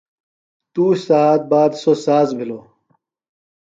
تُوش سھات باد سوۡ ساز بِھلوۡ۔